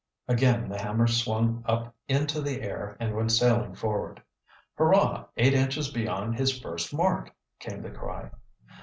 Again the hammer swung up into the air and went sailing forward. "Hurrah, eight inches beyond his first mark!" came the cry.